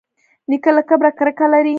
نیکه له کبره کرکه لري.